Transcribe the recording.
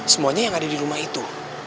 semuanya yang ada di rumah itu